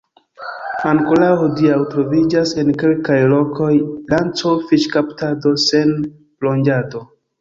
Ankoraŭ hodiaŭ, troviĝas en kelkaj lokoj lanco-fiŝkaptado sen plonĝado.